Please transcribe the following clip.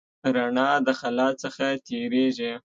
رڼا د خلا څخه تېرېږي.